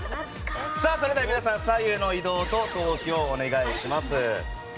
それでは皆さん、左右への移動と投票をお願いします。